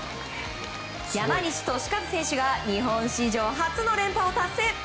山西利和選手が日本史上初の連覇を達成。